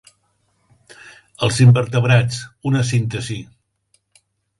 "Els invertebrats: una síntesi".